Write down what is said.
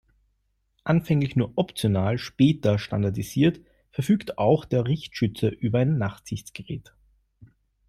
Anfänglich nur optional, später standardisiert, verfügt auch der Richtschütze über ein Nachtsichtgerät.